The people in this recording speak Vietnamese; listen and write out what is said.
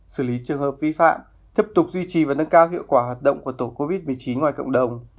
xử lý trường hợp vi phạm tiếp tục duy trì và nâng cao hiệu quả hoạt động của tổ covid một mươi chín ngoài cộng đồng